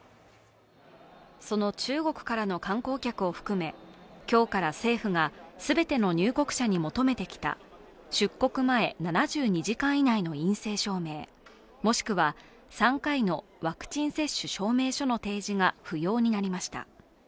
その中国からの観光客を含め今日から政府が全ての入国者に求めてきた出国前７２時間以内の陰性証明、もしくは３回のワクチン接種証明書の提示が不要になりました。